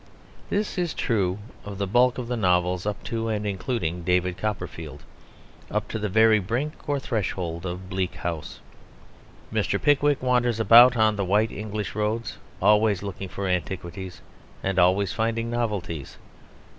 This is true of the bulk of the novels up to and including David Copperfield, up to the very brink or threshold of Bleak House. Mr. Pickwick wanders about on the white English roads, always looking for antiquities and always finding novelties.